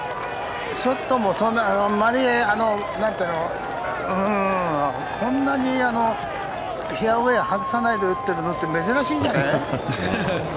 ショットもこんなにフェアウェー外さないで打っているのって珍しいんじゃない？